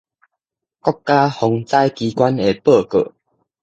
國家防災機關的報告